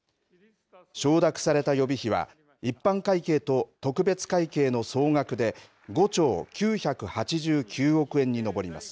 承諾された予備費は一般会計と特別会計の総額で５兆９８９億円に上ります。